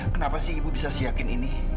kenapa sih ibu bisa seyakin ini